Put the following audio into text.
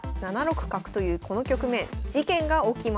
７六角というこの局面事件が起きました。